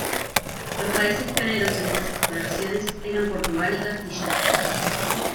Los países pioneros en estas exploraciones eran Portugal y Castilla.